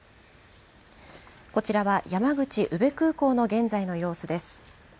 こちらは、山口宇部空港の現在の様子です。